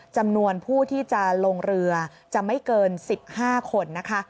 จำนวนผู้ที่จะลงเรือจะไม่เกิน๑๕คนนะคะ